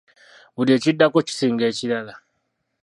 Buli ekiddako kisinga ekirala.